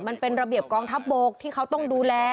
มันเป็นระเบียบกองทัพบกที่เขาต้องดูแล